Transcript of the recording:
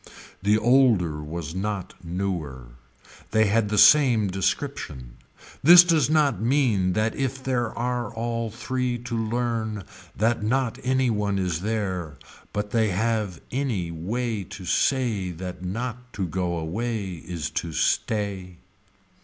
The older was not newer. They had the same description. This does not mean that if there are all three to learn that not any one is there but they have any way to say that not to go away is to stay.